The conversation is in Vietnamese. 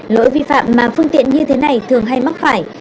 lỗi vi phạm mà phương tiện như thế này thường hay mắc phải